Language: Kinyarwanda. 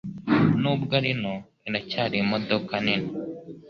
Nubwo ari nto, iracyari imodoka nini.